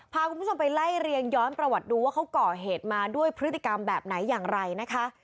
พาคุณผู้ชมไปไล่เรียงย้อนประวัติดูว่าเขาก่อเหตุมาด้วยพฤติกรรมแบบไหนอย่างไรนะคะ